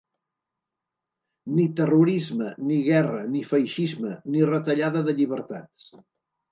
Ni terrorisme, ni guerra, ni feixisme, ni retallada de llibertats.